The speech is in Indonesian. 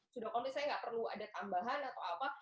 sudah komplit saya tidak perlu ada tambahan atau apa